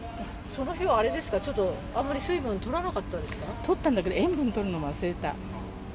その日はあれですか、ちょっとあんまり水分とらなかったんでとったんだけど、塩分とるの忘れた。